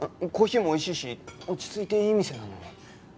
コーヒーもおいしいし落ち着いていい店なのに。